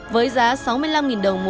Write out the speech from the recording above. với giá sáu mươi năm đồng